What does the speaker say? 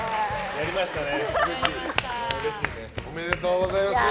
やりましたね。